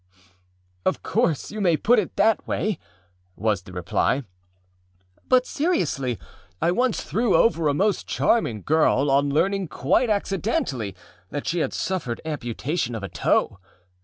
â âOf course you may put it that way,â was the reply; âbut, seriously, I once threw over a most charming girl on learning quite accidentally that she had suffered amputation of a toe.